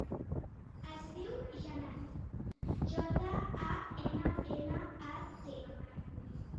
Es diu Jannat: jota, a, ena, ena, a, te.